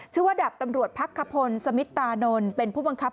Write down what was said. ชื่อว่าดาบตำรวจพักขพลสมิตานนท์เป็นผู้บังคับ